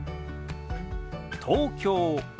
「東京」。